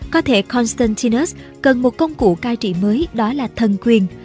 có thể constantinus cần một công cụ cai trị mới đó là thần quyền